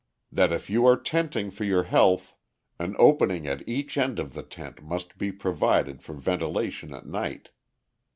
] "That if you are tenting for your health, an opening at each end of the tent must be provided for ventilation at night.